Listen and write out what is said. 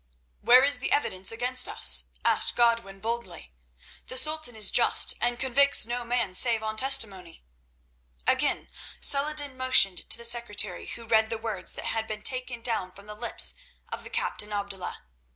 "Where is the evidence against us?" asked Godwin boldly. "The Sultan is just, and convicts no man save on testimony." Again Saladin motioned to the secretary, who read the words that had been taken down from the lips of the captain Abdullah.